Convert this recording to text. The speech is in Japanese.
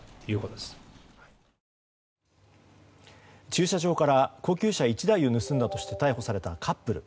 駐車場から高級車１台を盗んだとして逮捕されたカップル。